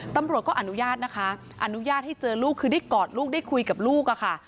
ตำรวจก็อนุญาตนะคะอนุญาตให้เจอลูกคือได้กอดลูกได้คุยกับลูกอะค่ะ